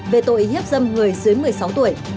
về tội hiếp dâm người dưới một mươi sáu tuổi